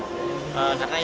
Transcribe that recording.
karena ini sudah mulai